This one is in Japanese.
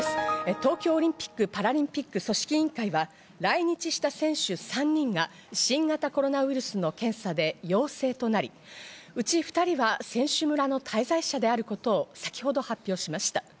東京オリンピック・パラリンピック組織委員会は、来日した選手３人が新型コロナウイルスの検査で陽性となり、うち２人は選手村の滞在者であることを先ほど発表しました。